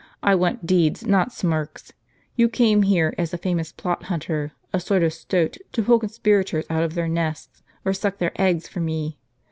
I want deeds, not smirks. Tou came here as a famous plot hunter, a sort of stoat, to pull conspirators out of their nests, or suck their eggs for me.